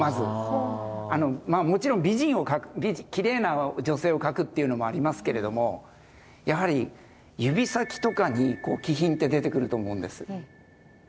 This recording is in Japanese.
もちろん美人を描くきれいな女性を描くっていうのもありますけれどもやはり指先とかに気品って出てくると思うんです。